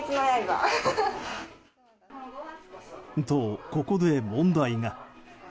と、ここで問題が。